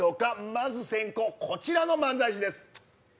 まず先攻、こちらの漫才師です。